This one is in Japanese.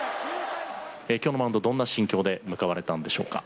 今日のマウンド、どんな心境で向かわれたんでしょうか。